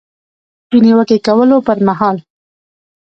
د نیوکې کولو پر مهال